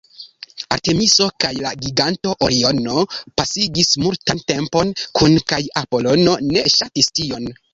Artemiso kaj la giganto Oriono pasigis multan tempon kune, kaj Apolono ne ŝatis tion.